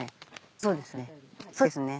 そうですね。